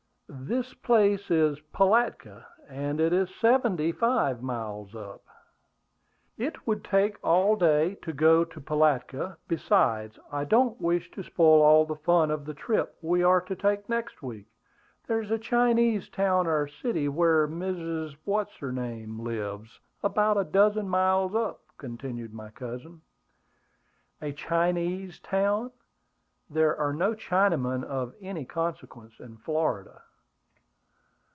"The place is Pilatka; and it is seventy five miles up." "It would take all day to go to Pilatka; besides, I don't wish to spoil all the fun of the trip we are to take next week. There's a Chinese town or city, where Mrs. What's her name lives, about a dozen miles up," continued my cousin. "A Chinese town? There are no Chinamen of any consequence in Florida."